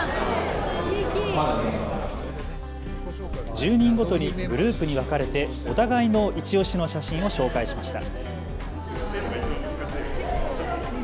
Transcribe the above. １０人ごとにグループに分かれてお互いのいちオシの写真を紹介しました。